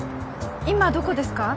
今どこですか？